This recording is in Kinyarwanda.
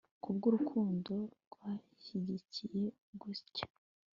kubwurukundo wanyigishije gutya